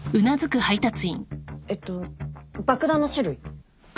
えっと爆弾の種類？